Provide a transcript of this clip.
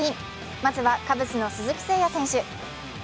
まずはカブスの鈴木誠也選手。